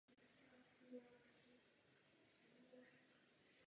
Postup byl zcela otočen, což je pro nás důležité.